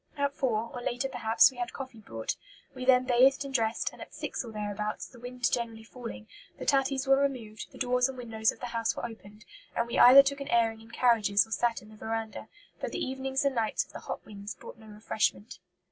At four, or later perhaps, we had coffee brought. We then bathed and dressed, and at six or thereabouts, the wind generally falling, the tatties were removed, the doors and windows of the house were opened, and we either took an airing in carriages or sat in the veranda; but the evenings and nights of the hot winds brought no refreshment."